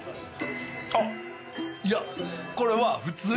あっいやこれは普通に。